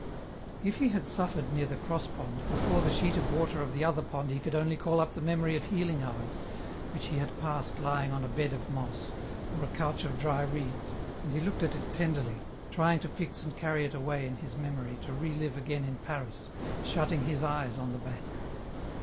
If he had suffered near the cross pond, before the sheet of water of the other pond he could only call up the memory of healing hours, which he had passed lying on a bed or moss, or a couch of dry reeds, and he looked at it tenderly, trying to fix and carry it away in his memory to re live again in Paris, shutting his eyes on the bank.